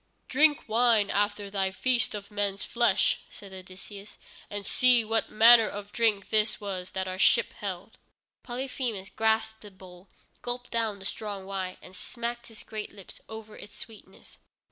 "Drink wine after thy feast of men's flesh," said Odysseus, "and see what manner of drink this was that our ship held." Polyphemus grasped the bowl, gulped down the strong wine, and smacked his great lips over its sweetness.